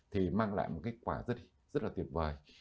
thì mang lại một kết quả rất là tuyệt vời